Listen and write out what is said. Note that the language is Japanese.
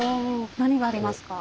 何がありますか？